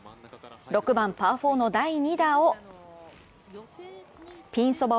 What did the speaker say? ６番パー４の第２打をピンそば